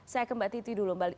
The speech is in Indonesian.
saya ke mbak titi dulu mbak